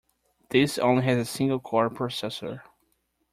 This only has a single core processor.